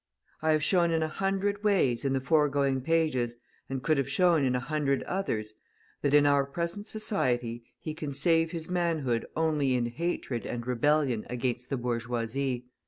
I have shown in a hundred ways in the foregoing pages, and could have shown in a hundred others, that, in our present society, he can save his manhood only in hatred and rebellion against the bourgeoisie.